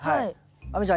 亜美ちゃん